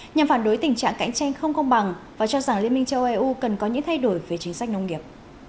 nhằm phản đối tình trạng cạnh tranh không công bằng và cho rằng liên minh châu âu cần có những thay đổi về chính sách nông nghiệp